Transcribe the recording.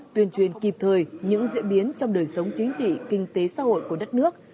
tuyên truyền kịp thời những diễn biến trong đời sống chính trị kinh tế xã hội của đất nước